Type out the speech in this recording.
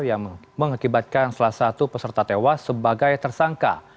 yang mengakibatkan salah satu peserta tewas sebagai tersangka